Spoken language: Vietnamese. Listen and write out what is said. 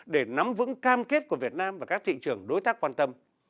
để nắm vững cam kết của việt nam và các thị trường đối tác quan tâm